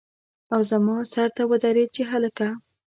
او زما سر ته ودرېد چې هلکه!